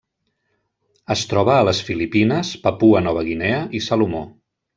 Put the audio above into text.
Es troba a les Filipines, Papua Nova Guinea i Salomó.